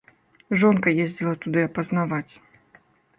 Жонка ездзіла туды апазнаваць.